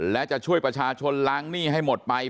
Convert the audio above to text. และจะช่วยประชาชนล้างหนี้ให้หมดไป